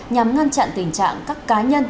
nhằm ngăn chặn tình trạng các cá nhân